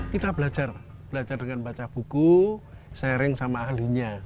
kita belajar belajar dengan baca buku sharing sama ahlinya